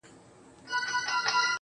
راوړم سکروټې تر دې لویي بنگلي پوري.